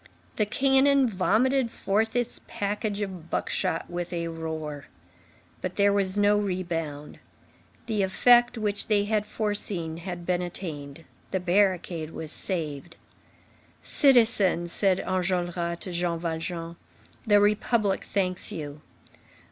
The cannon vomited forth its package of buckshot with a roar. But there was no rebound. The effect which they had foreseen had been attained. The barricade was saved. "Citizen," said Enjolras to Jean Valjean, "the Republic thanks you."